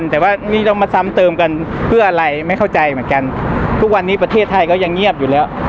เติมกันเพื่ออะไรไม่เข้าใจเหมือนกันทุกวันนี้ประเทศไทยก็ยังเงียบอยู่แล้ว